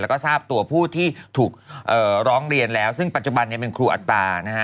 แล้วก็ทราบตัวผู้ที่ถูกร้องเรียนแล้วซึ่งปัจจุบันเนี่ยเป็นครูอัตรานะฮะ